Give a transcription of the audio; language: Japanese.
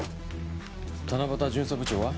七夕巡査部長は？